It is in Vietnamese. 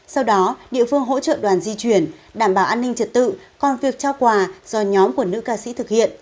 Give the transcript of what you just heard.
sau đó địa phương hỗ trợ đoàn di chuyển đảm bảo an ninh trật tự còn việc trao quà do nhóm của nữ ca sĩ thực hiện